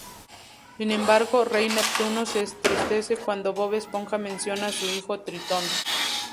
Sin embargo, rey Neptuno se entristece cuando Bob Esponja menciona a su hijo, Tritón.